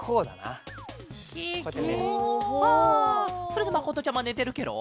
それでまことちゃまねてるケロ？